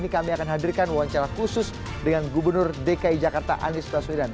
kami akan hadirkan wawancara khusus dengan gubernur dki jakarta anies baswedan